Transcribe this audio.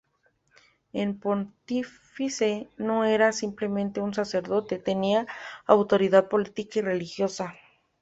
El pontífice no era simplemente un sacerdote, tenía autoridad política y religiosa.